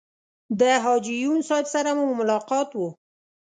د حاجي یون صاحب سره مو ملاقات و.